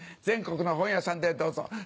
全国の本屋さんでどうぞ。